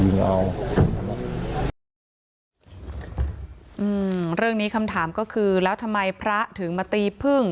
เรื่องนี้คำถามก็คือแล้วทำไมพระถึงมาตีพึ่ง